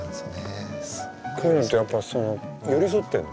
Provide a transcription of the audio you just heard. こういうのってやっぱその寄り添ってんの？